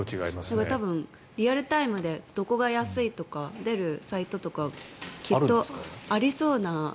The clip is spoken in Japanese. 多分、リアルタイムでどこが安いとか出るサイトとかきっとありそうな。